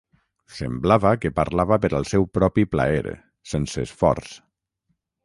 Semblava que parlava per al seu propi plaer, sense esforç.